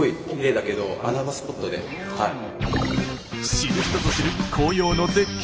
知る人ぞ知る紅葉の絶景